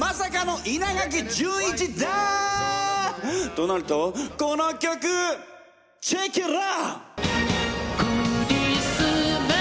となるとこの曲！チェケラ！